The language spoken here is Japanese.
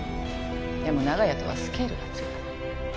でも長屋とはスケールが違う。